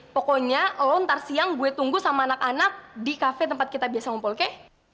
pokoknya lo ntar siang gue tunggu sama anak anak di kafe tempat kita biasa ngumpul kek